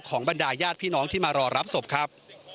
บรรดาญาติพี่น้องที่มารอรับศพครับ